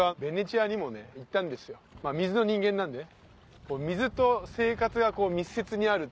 まぁ水の人間なんでね。